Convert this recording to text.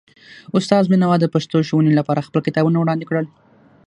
استاد بینوا د پښتو ښوونې لپاره خپل کتابونه وړاندې کړل.